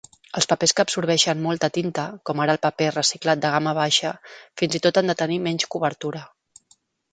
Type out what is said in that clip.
Els papers que absorbeixen molta tinta, com ara el paper reciclat de gamma baixa, fins i tot han de tenir menys cobertura.